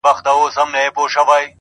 چي پر خره زورور نه یې پهلوانه٫